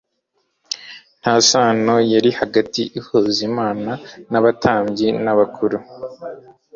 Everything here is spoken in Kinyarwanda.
Nta sano yari hagati ihuza Imana n'abatambyi n'abakuru.